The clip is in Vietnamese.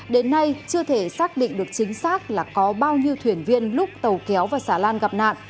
đến nay chưa thể xác định được chính xác là có bao nhiêu thuyền viên lúc tàu kéo và xà lan gặp nạn